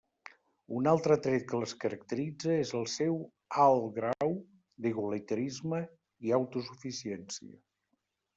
Un altre tret que les caracteritza és el seu alt grau d'igualitarisme i autosuficiència.